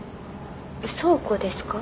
倉庫ですか？